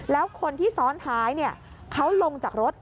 แล้วคนที่ซ้อนท้ายเขาลงจากรถ